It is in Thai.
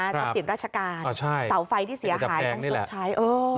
ทรัพย์สินราชการเสาไฟที่เสียหายต้องชดใช้